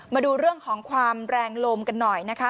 มาดูเรื่องของความแรงลมกันหน่อยนะคะ